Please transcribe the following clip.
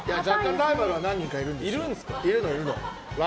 ライバルは何人かいるんですけど。